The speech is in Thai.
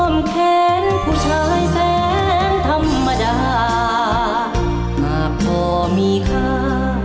แขนผู้ชายแสนธรรมดาหากพอมีค่า